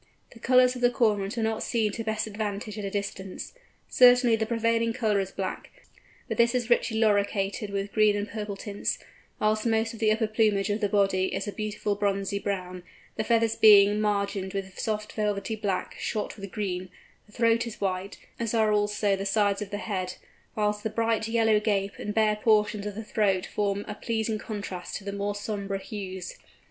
The colours of the Cormorant are not seen to best advantage at a distance. Certainly the prevailing colour is black, but this is richly loricated with green and purple tints, whilst most of the upper plumage of the body is a beautiful bronzy brown, the feathers being margined with soft velvety black, shot with green; the throat is white, as are also the sides of the head; whilst the bright yellow gape and bare portions of the throat form a pleasing contrast to the more sombre hues.